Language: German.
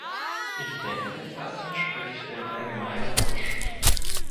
Ich denke, das entspricht dem allgemeinen Wunsch.